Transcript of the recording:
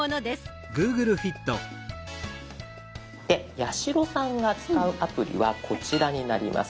八代さんが使うアプリはこちらになります。